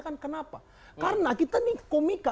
mas kaisang ngebaca berita sebelum sebelumnya